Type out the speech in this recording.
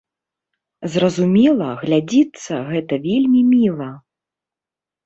Зразумела, глядзіцца гэта вельмі міла.